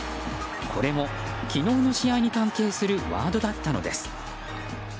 これも昨日の試合に関係するワードだったのです。